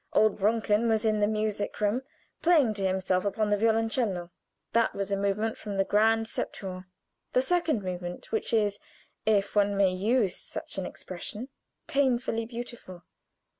Old Brunken was in the music room, playing to himself upon the violoncello. That was a movement from the "Grand Septuor" the second movement, which is, if one may use such an expression, painfully beautiful.